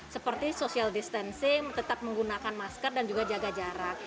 seperti social distancing tetap menggunakan masker dan juga jaga jarak